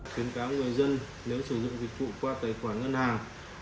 khuyến cáo người dân nếu sử dụng dịch vụ qua tài khoản ngân hàng